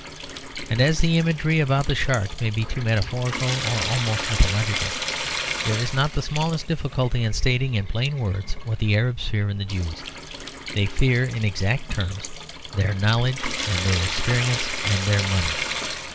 And as the imagery about the shark may be too metaphorical or almost mythological, there is not the smallest difficulty in stating in plain words what the Arabs fear in the Jews. They fear, in exact terms, their knowledge and their experience and their money.